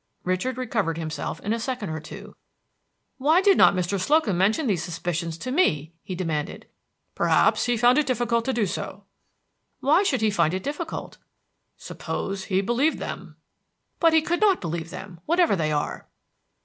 Richard recovered himself in a second or two. "Why did not Mr. Slocum mention these suspicions to me?" he demanded. "Perhaps he found it difficult to do so." "Why should he find it difficult?" "Suppose he believed them." "But he could not believe them, whatever they are."